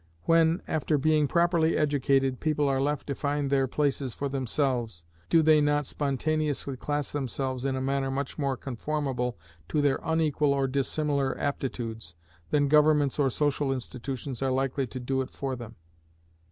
when, after being properly educated, people are left to find their places for themselves, do they not spontaneously class themselves in a manner much more conformable to their unequal or dissimilar aptitudes, than governments or social institutions are likely to do it for them?